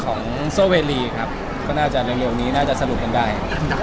โซเวรีครับก็น่าจะเร็วนี้น่าจะสรุปกันได้